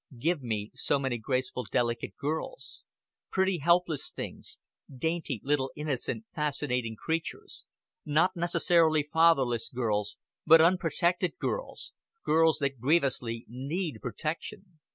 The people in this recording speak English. Give me so many graceful delicate girls; pretty helpless things, dainty little innocent fascinating creatures; not necessarily fatherless girls, but unprotected girls girls that grievously need protection."